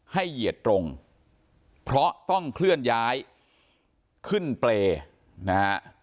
เหยียดตรงเพราะต้องเคลื่อนย้ายขึ้นเปรย์นะฮะ